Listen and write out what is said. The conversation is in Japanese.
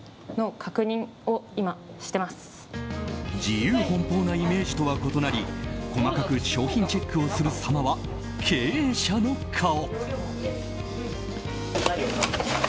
自由奔放なイメージとは異なり細かく商品チェックをするさまは経営者の顔。